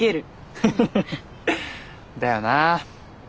フフフフだよな。